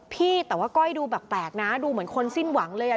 พี่แต่ว่าก้อยดูแปลกนะดูเหมือนคนสิ้นหวังเลยอ่ะ